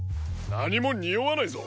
なにもにおわないぞ。